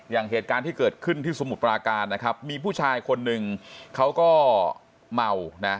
อย่างเหตุการณ์ที่เกิดขึ้นที่สมุทรปราการนะครับมีผู้ชายคนหนึ่งเขาก็เมานะ